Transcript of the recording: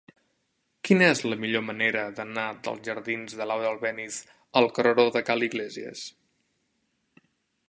Quina és la millor manera d'anar dels jardins de Laura Albéniz al carreró de Ca l'Iglésies?